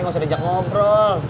nggak usah diajak ngobrol